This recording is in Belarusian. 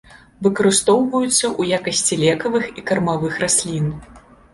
Выкарыстоўваюцца ў якасці лекавых і кармавых раслін.